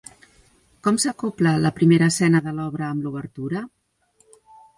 Com s'acobla la primera escena de l'obra amb l'obertura?